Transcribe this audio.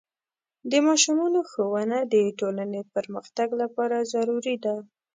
د ماشومانو ښوونه د ټولنې پرمختګ لپاره ضروري ده.